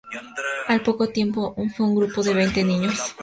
Al poco tiempo fue un grupo de veinte niños.